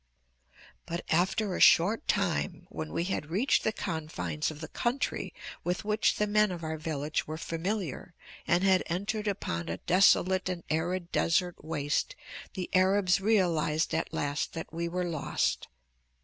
"But after a short time, when we had reached the confines of the country with which the men of our village were familiar and had entered upon a desolate and arid desert waste, the Arabs realized at last that we were lost.